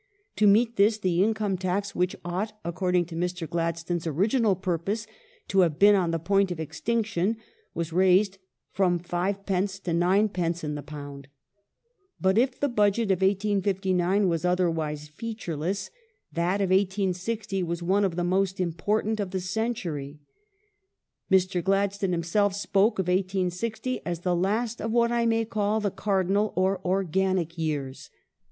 To meet this the income tax, which ought according to Mr. Glad stone's original purpose to have been on the point of extinction, was raised from 5d. to 9d. in the £. But if the Budget of 1859 was otherwise featureless, that of 1860 was one of the most important of the century. Mr. Gladstone himself spoke of 1860 as " the last of what I may call the cardinal or organic years